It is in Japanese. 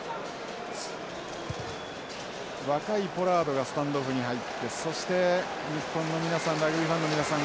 若いポラードがスタンドオフに入ってそして日本の皆さんラグビーファンの皆さん